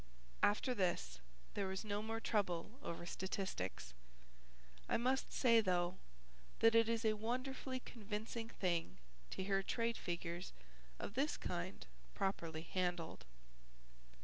After this, there was no more trouble over statistics. I must say though that it is a wonderfully convincing thing to hear trade figures of this kind properly handled.